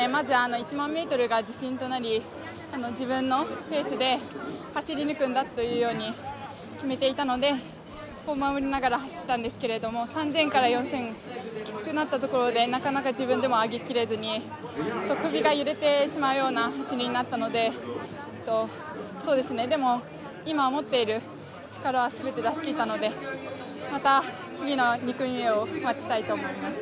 １００００ｍが自信となり自分のペースで走り抜くんだというふうに決めていたのでそこを守りながら走ったんですけど３０００から４０００きつくなったところでなかなか自分でも上げきれずに首が揺れてしまうような走りになったのででも、今持っている力はすべて出し切ったのでまた次の２組目を待ちたいと思います。